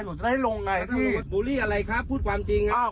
หนูจะได้ลงไงพี่บุรีอะไรคะพูดความจริงอ้าว